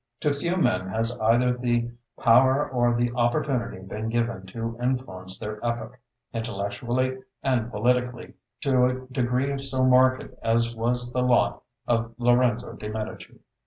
To few men has either the power or the opportunity been given to influence their epoch, intellectually and politically, to a degree so marked as was the lot of Lorenzo de' Medici.